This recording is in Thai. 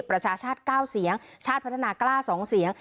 ประชาชาติ๙เสียงชาติพัฒนากล้า๒เสียง